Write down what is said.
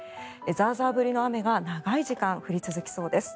ザーザー降りの雨が長い時間降り続きそうです。